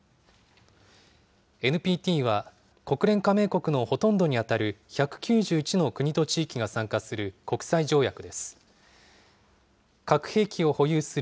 ＮＰＴは、国連加盟国のほとんどに当たる、１９１の国と地域が参加する国際条約です。